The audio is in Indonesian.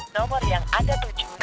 nomor yang anda tuju